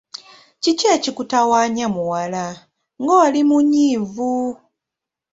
Kiki ekikutawaanya muwala, nga oli munyiivu?